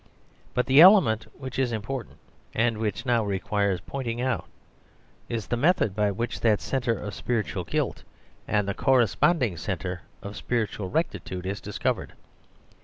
But the element which is important, and which now requires pointing out, is the method by which that centre of spiritual guilt and the corresponding centre of spiritual rectitude is discovered.